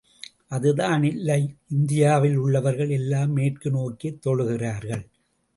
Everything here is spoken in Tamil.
அதுதான் இல்லை, இந்தியாவில் உள்ளவர்கள் எல்லாம் மேற்கு நோக்கித் தொழுகிறார்கள்.